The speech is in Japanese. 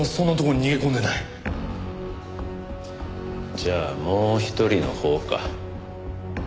じゃあもう一人のほうか。